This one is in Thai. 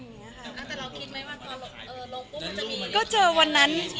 แต่เราคิดไหมว่าตอนลงรูปมันจะมี